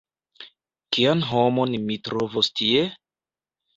Kian homon mi trovos tie?